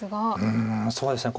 うんそうですね